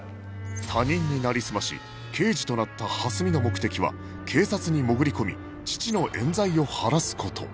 他人になりすまし刑事となった蓮見の目的は警察に潜り込み父の冤罪を晴らす事